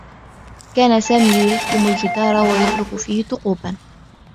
كان سامي يلكم الجدار و يترك فيه ثقوبا.